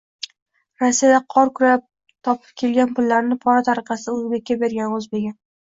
Rossiyada qor kurab topib kelgan pullarini pora tariqasida o‘zbekka bergan o‘zbegim...